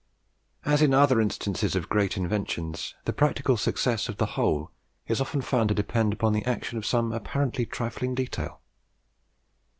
As in other instances of great inventions, the practical success of the whole is often found to depend upon the action of some apparently trifling detail.